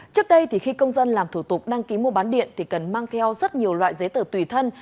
trước đây thì khi công dân làm thủ tục đăng ký mua bán điện thì cần mang theo rất nhiều loại giấy tờ tùy thân